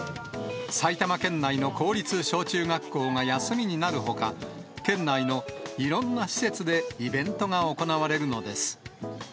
埼玉県内の公立小中学校が休みになるほか、県内のいろんな施設でイベントが行われるのです。